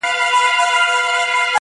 • چاویل تریخ دی عجب خوږ دغه اواز دی,